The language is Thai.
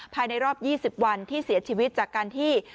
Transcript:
ภายในรอบ๒๐วันที่เสียชีวิตจากการที่